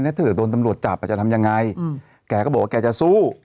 ถ้าเกิดโดนตำรวจจับจะทำยังไงแกก็บอกว่าแกจะสู้